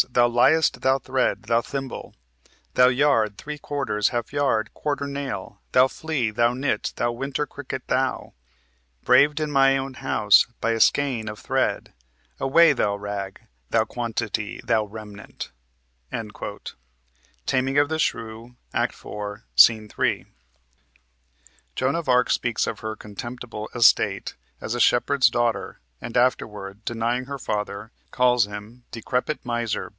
Thou liest, thou thread, thou thimble, Thou yard, three quarters, half yard, quarter, nail, Thou flea, thou nit, thou winter cricket thou; Braved in my own house by a skein of thread! Away, thou rag, thou quantity, thou remnant!" (Taming of the Shrew, Act 4, Sc. 3.) Joan of Arc speaks of her "contemptible estate" as a shepherd's daughter, and afterward, denying her father, calls him "Decrepit miser!